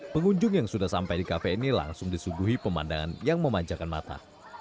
pengunjung yang sudah sampai di kafe ini langsung disuguhi pemandangan yang memanjakan mata